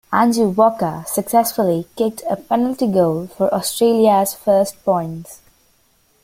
Andrew Walker successfully kicked a penalty goal for Australia's first points.